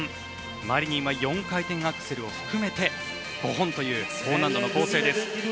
マリニンは４回転アクセルを含め５本という高難度の構成です。